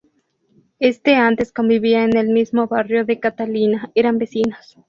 Este antes convivía en el mismo barrio de Catalina, eran vecinos.